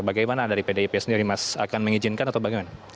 bagaimana dari pdip sendiri mas akan mengizinkan atau bagaimana